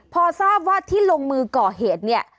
พอทราบว่าที่ลงมือก่อเหตุเนี่ย